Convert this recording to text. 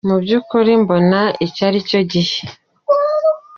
Mu by'ukuri mbona iki ari cyo gihe.